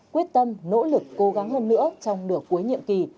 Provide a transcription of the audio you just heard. quyết tâm nỗ lực cố gắng hơn nữa trong nửa cuối nhiệm kỳ